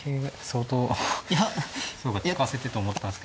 そうか使わせてと思ったんですけど。